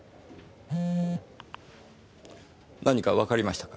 何かわかりましたか。